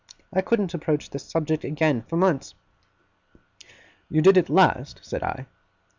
I couldn't approach the subject again, for months.' 'You did at last?' said I.